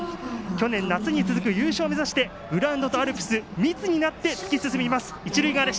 去年夏に続く優勝を目指してグラウンドとアルプス密になって突き進みます。